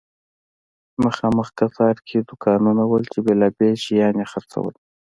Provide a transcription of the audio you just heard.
مخامخ قطار کې دوکانونه وو چې بیلابیل شیان یې خرڅول.